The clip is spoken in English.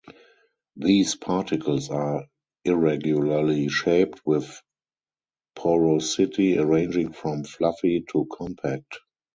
These particles are irregularly shaped, with porosity ranging from "fluffy" to "compact".